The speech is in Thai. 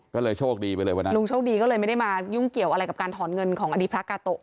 ก็เลยโชคดีไปเลยวันนั้นลุงโชคดีก็เลยไม่ได้มายุ่งเกี่ยวอะไรกับการถอนเงินของอดีตพระกาโตะ